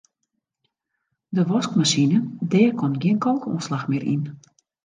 De waskmasine dêr komt gjin kalkoanslach mear yn.